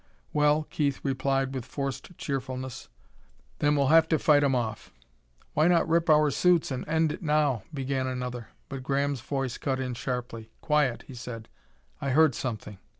"Well," Keith replied with forced cheerfulness, "then we'll have to fight 'em off." "Why not rip our suits an' end it now " began another, but Graham's voice cut in sharply. "Quiet!" he said. "I heard something!"